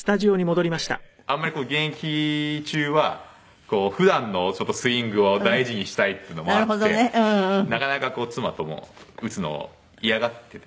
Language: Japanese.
なのであんまり現役中は普段のスイングを大事にしたいっていうのもあってなかなか妻とも打つのを嫌がってて。